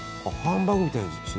ハンバーグみたいにしないで？